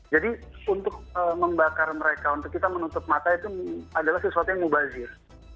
jadi untuk membakar mereka untuk kita menutup mata itu adalah sesuatu yang mubazir